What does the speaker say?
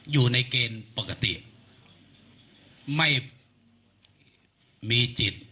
อยู่ในเกณฑ์ปกติไม่มีจิต